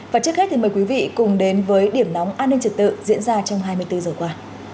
và trước hết thì mời quý vị cùng đến với điểm nóng an ninh trật tự diễn ra trong hai mươi bốn giờ qua